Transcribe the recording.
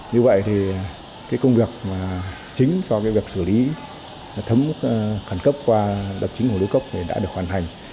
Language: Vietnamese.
như vậy thì cái công việc chính cho việc xử lý thấm khẩn cấp qua đập chính hồ núi cốc đã được hoàn thành